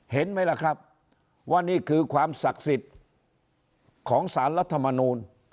เห็นไหมล่ะครับว่านี่คือความศักดิ์สิทธิ์ของสารรัฐมนูล